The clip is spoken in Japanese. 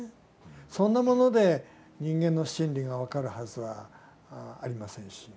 そんなもので人間の心理が分かるはずはありませんし。